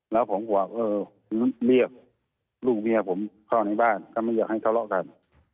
แล้วผมก็บอกเออเรียกลูกเมียผมเข้าในบ้านก็ไม่อยากให้ทะเลาะกัน